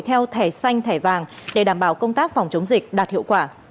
theo thẻ xanh thẻ vàng để đảm bảo công tác phòng chống dịch đạt hiệu quả